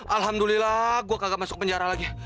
alhamdulillah gue kagak masuk penjara lagi